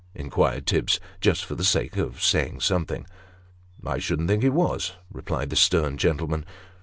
inquired Tibbs, just for the sake of saying something. " I should think he was," replied the stern gentleman.